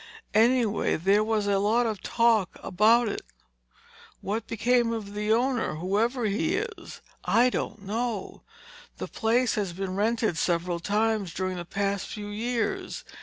Anyway, there was a lot of talk about it. What became of the owner, whoever he is, I don't know. The place has been rented several times during the past few years.